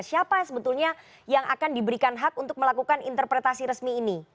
siapa sebetulnya yang akan diberikan hak untuk melakukan interpretasi resmi ini